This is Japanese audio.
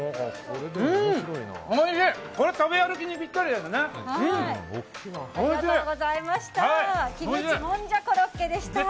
これ、食べ歩きにぴったりですね。